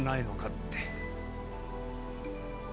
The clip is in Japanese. って。